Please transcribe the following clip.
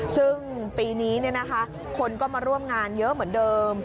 ซึ่งปีนี้คนก็มาร่วมงานเยอะเหมือนเดิม